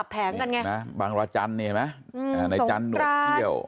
บางราชันนี่เห็นไหมในจันทร์หนดเที่ยว